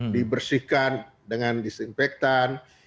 dibersihkan dengan disinfektan